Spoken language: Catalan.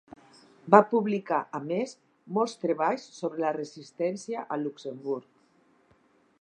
Va publicar, a més, molts treballs sobre la resistència a Luxemburg.